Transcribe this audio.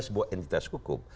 sebuah entitas hukum